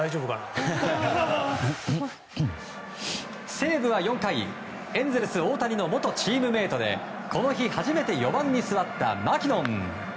西武は４回エンゼルス、大谷の元チームメートでこの日初めて４番に座ったマキノン。